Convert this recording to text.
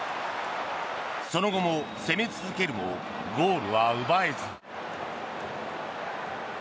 その後も攻め続けるもゴールは奪えず。